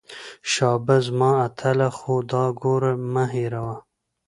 شابه زما اتله خو دا ګوره مه هېروه.